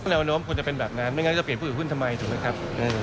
แล้วน้องน้องควรจะเป็นแบบนั้นไม่งั้นจะเปลี่ยนผู้อื่นทำไมถูกมั้ยครับ